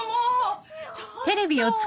ちょっと。